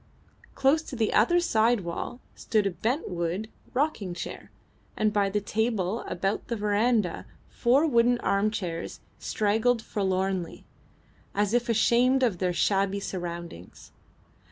Close to the other side wall stood a bent wood rocking chair, and by the table and about the verandah four wooden armchairs straggled forlornly, as if ashamed of their shabby surroundings.